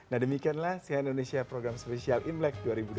nah demikianlah sian indonesia program spesial imlek dua ribu dua puluh